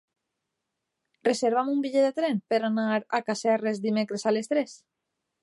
Reserva'm un bitllet de tren per anar a Casserres dimecres a les tres.